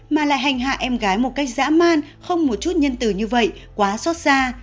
mà lại hành hạ em gái một cách dã man không một chút nhân từ như vậy quá xót xa